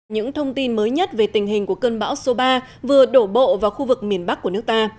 những thông tin mới nhất về tình hình của cơn bão số ba vừa đổ bộ vào khu vực miền bắc của nước ta